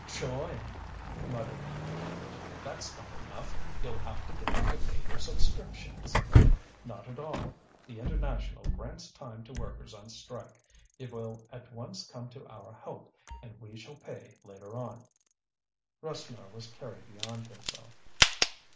join!" muttered the innkeeper; "that's not enough. You'll have to get them to pay their subscriptions." "Not at all. The International grants time to workers on strike. It will at once come to our help, and we shall pay later on." Rasseneur was carried beyond himself.